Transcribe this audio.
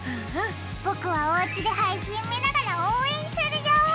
僕はおうちで配信見ながら応援するよ。